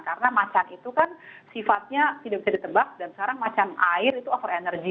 karena macan itu kan sifatnya tidak bisa ditebak dan sekarang macan air itu over energy